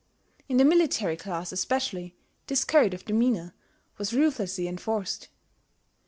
In the military class especially this code of demeanour was ruthlessly enforced.